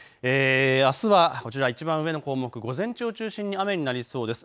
あすはこちらいちばん上の項目、午前中を中心に雨になりそうです。